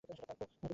তুমি এটা প্রাপ্য।